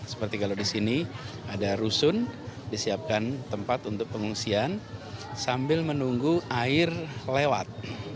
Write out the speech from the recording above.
seperti kalau di sini ada rusun disiapkan tempat untuk pengungsian sambil menunggu air lewat